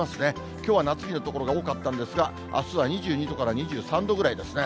きょうは夏日の所が多かったんですが、あすは２２度から２３度ぐらいですね。